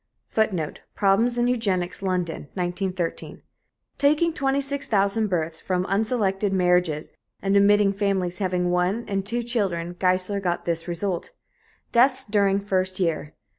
[Footnote: Problems in Eugenics, London, 1913.] Taking 26,000 births from unselected marriages, and omitting families having one and two children, Geissler got this result: Deaths During First Year.